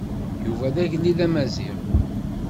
Yuba d agellid Amaziɣ.